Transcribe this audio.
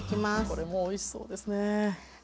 これもおいしそうですね。